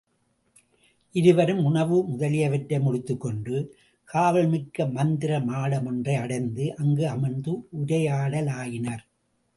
இருவரும் உணவு முதலியவற்றை முடித்துக்கொண்டு காவல்மிக்க மந்திர மாடமொன்றை அடைந்து அங்கு அமர்ந்து உரையாடலாயினர்.